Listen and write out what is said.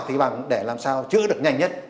thì bằng để làm sao chữa được nhanh nhất